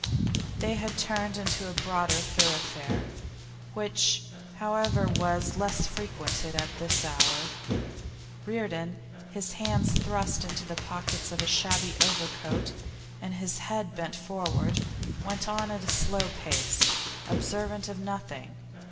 They had turned into a broader thoroughfare, which, however, was little frequented at this hour. Reardon, his hands thrust into the pockets of a shabby overcoat and his head bent forward, went on at a slow pace, observant of nothing.